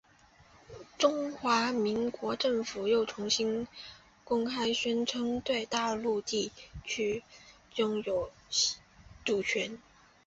中华民国政府又重新公开宣称对大陆地区拥有主权。